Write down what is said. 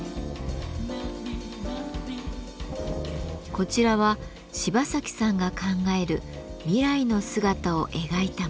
こちらは芝崎さんが考える未来の姿を描いたもの。